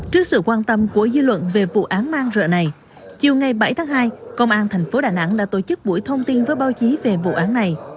trước sự quan tâm của dư luận về vụ án man rợ này chiều ngày bảy tháng hai công an thành phố đà nẵng đã tổ chức buổi thông tin với báo chí về vụ án này